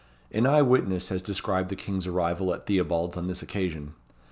An eyewitness has described the King's arrival at Theobalds on this occasion.